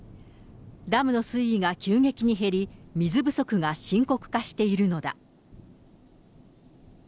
ダムの水位が急激に減り、水不足が深刻化しているのだ。